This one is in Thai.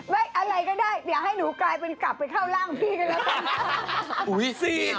ไม่อะไรก็ได้เดี๋ยวให้หนูกลายเป็นกลับไปเข้าร่างพี่กันแล้ว